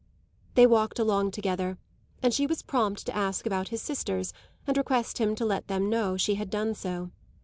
They walked along together, and she was prompt to ask about his sisters and request him to let them know she had done so.